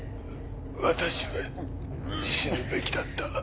私が死ぬべきだった。